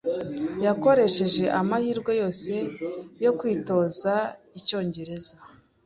Yakoresheje amahirwe yose yo kwitoza icyongereza.